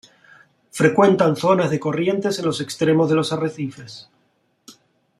Frecuentan zonas de corrientes en los extremos de los arrecifes.